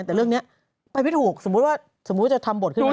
แต่เรื่องนี้ไปพิถูกสมมติว่าจะทำบทขึ้นไหม